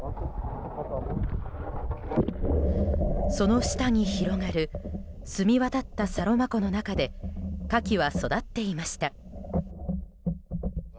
その下に広がる澄み渡ったサロマ湖の中でカキは育っていました。